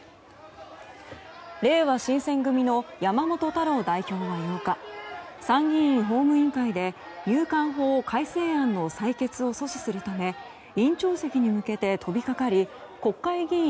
れいわ新選組の山本太郎代表は８日参議院法務委員会で入管法改正案の採決を阻止するため委員長席に向けて飛びかかり国会議員